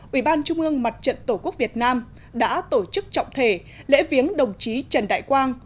ủy ban trung ương mặt trận tổ quốc việt nam đã tổ chức trọng thể lễ viếng đồng chí trần đại quang